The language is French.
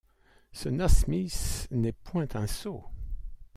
Ce Nasmyth n’est point un sot !